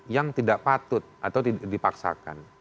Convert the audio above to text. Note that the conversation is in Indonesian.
yang tidak patut atau dipaksakan